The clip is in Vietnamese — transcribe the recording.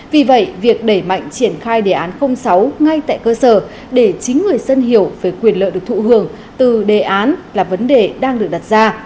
vì vậy việc đẩy mạnh triển khai đề án sáu ngay tại cơ sở để chính người dân hiểu về quyền lợi được thụ hưởng từ đề án là vấn đề đang được đặt ra